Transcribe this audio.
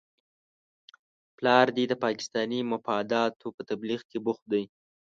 پلار دې د پاکستاني مفاداتو په تبلیغ کې بوخت دی؟